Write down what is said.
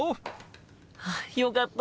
あっよかった！